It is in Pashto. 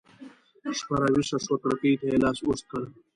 شپه راویښه شوه کړکۍ ته يې لاس اوږد کړ